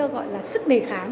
gọi là sức đề kháng